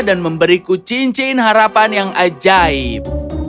memberiku cincin harapan yang ajaib